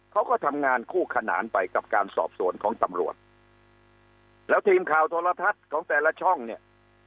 เขาก็ทำงานคู่ขนานไปกับการสอบสวนของตำรวจแล้วทีมข่าวโทรทัศน์ของแต่ละช่องเนี่ย